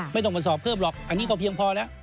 ไม่ต้องมาสอบเพิ่มหรอกอันนี้ก็เพียงพอแล้ว